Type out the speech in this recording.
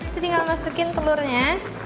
kita tinggal masukin telurnya